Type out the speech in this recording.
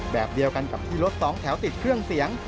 แบบเดียวกันกับที่รถสองแถวติดเครื่องเสียง